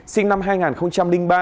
sinh năm hai nghìn ba